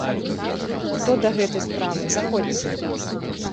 Хто да гэтай справы, заходзьце!